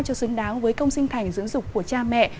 cho xứng đáng với công sinh thành dưỡng dục của cha mẹ